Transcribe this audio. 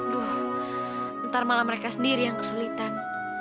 duh ntar malah mereka sendiri yang kesulitan